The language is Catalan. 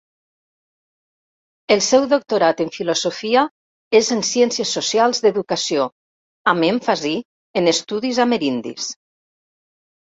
El seu doctorat en filosofia és en Ciències Socials d'Educació amb èmfasi en estudis amerindis.